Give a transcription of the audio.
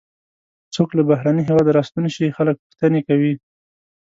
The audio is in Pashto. څوک له بهرني هېواده راستون شي خلک پوښتنې کوي.